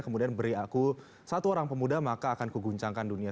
kemudian beri aku satu orang pemuda maka akan kuguncangkan dunia